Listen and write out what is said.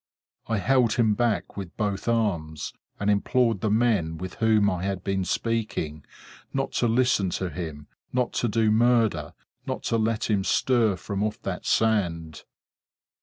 I held him back with both arms; and implored the men with whom I had been speaking, not to listen to him, not to do murder, not to let him stir from off that sand!